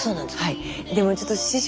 はい。